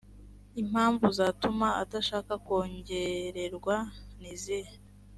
impamvu zatuma adashaka kongererwa nizihe